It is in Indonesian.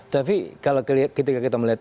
tapi ketika kita melihat